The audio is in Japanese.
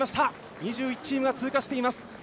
２１チームが通過しています。